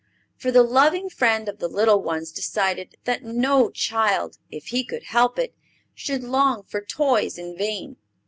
For the loving friend of the little ones decided that no child, if he could help it, should long for toys in vain.